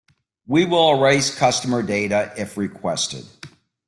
We will erase customer data if requested.